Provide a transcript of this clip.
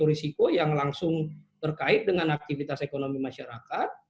maka ini jadi sisa risiko risiko yang langsung terkait dengan aktivitas ekonomi masyarakat